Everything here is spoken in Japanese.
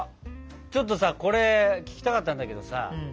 ちょっとさこれ聞きたかったんだけどさ